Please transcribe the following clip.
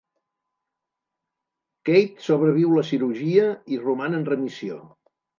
Kate sobreviu la cirurgia i roman en remissió.